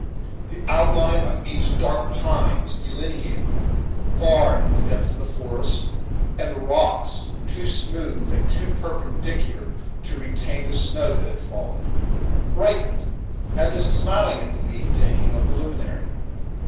The outline of each dark pine was delineated far in the depths of the forest, and the rocks, too smooth and too perpendicular to retain the snow that had fallen, brightened, as if smiling at the leave taking of the luminary.